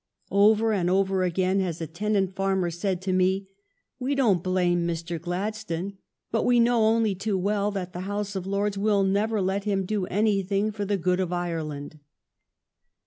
Over and over again has a tenant farmer said to me :" We don't blame Mr. Gladstone; but we know only too well that the House of Lords will never let him do any thing for the good of Ireland."